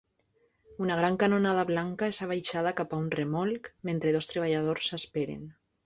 Una gran canonada blanca és abaixada cap a un remolc, mentre dos treballadors esperen.